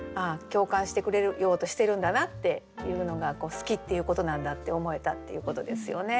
共感してくれようとしてるんだなっていうのが好きっていうことなんだって思えたっていうことですよね。